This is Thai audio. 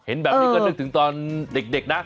เห็นแบบนี้ก็นึกถึงตอนเด็กนะ